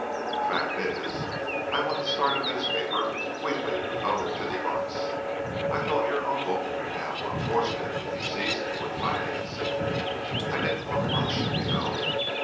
The fact is, I want to start a newspaper weekly devoted to the arts. I thought your uncle now, unfortunately, deceased would finance it. I didn't want much, you know."